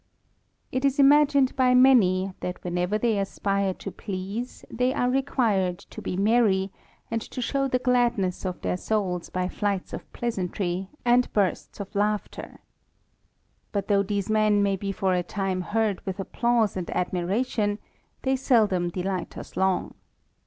It is imagined by many, that whenever they aspire to please, they are required to be merry, and to show the gladness of their souls by flights of pleasantry, and bursts of laughter. But though these men may be for a time heard with applause and admiration, they seldom delight us long.